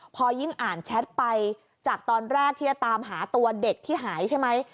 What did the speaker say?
พอยิ่งอ่านแชทไปจากตอนแรกที่จะตามหาตัวเด็กที่หายใช่ไหม